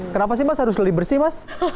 kenapa sih mas harus lebih bersih mas